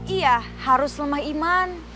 iya harus lemah iman